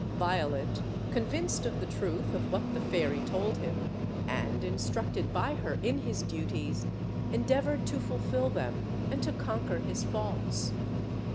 Violent, convinced of the truth of what the fairy told him, and instructed by her in his duties, endeavored to fulfill them, and to conquer his faults.